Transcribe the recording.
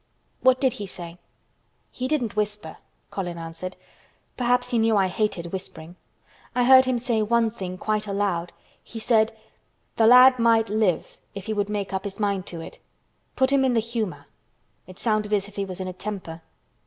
"What did he say?" "He didn't whisper," Colin answered. "Perhaps he knew I hated whispering. I heard him say one thing quite aloud. He said, 'The lad might live if he would make up his mind to it. Put him in the humor.' It sounded as if he was in a temper."